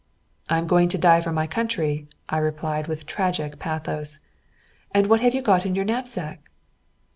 "I am going to die for my country," I replied, with tragic pathos. "And what have you got in your knapsack?"